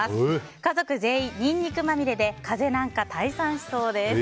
家族全員、ニンニクまみれで風邪なんか退散しそうです。